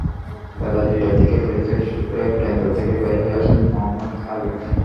বেলা দুইটার দিকে পরীক্ষা শেষে কেন্দ্র থেকে বের হয়ে আসেন মোহাম্মদ আরিফ।